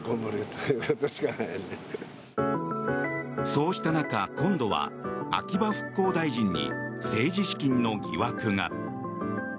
そうした中今度は秋葉復興大臣に政治資金の疑惑が。